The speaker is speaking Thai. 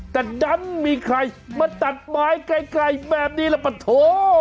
แต่ดันมีใครมาตัดไม้ไกลแบบนี้แหละปะโถ